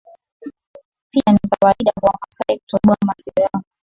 Pia ni kawaida kwa wamasai kutoboa masikio yao